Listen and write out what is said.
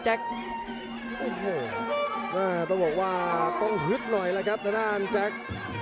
แจ็คต้องบอกว่าต้องฮึดหน่อยแหละครับในหน้าอันแจ็ค